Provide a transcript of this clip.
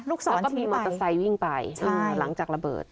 ลูกศรที่ไปแล้วก็มีมอเตอร์ไซล์วิ่งไปใช่หลังจากระเบิด